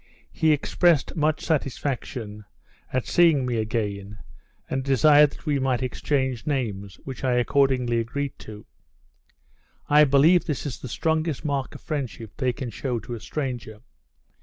He expressed much satisfaction at seeing me again, and desired that we might exchange names, which I accordingly agreed to. I believe this is the strongest mark of friendship they can show to a stranger.